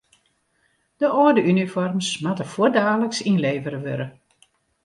De âlde unifoarms moatte fuortdaliks ynlevere wurde.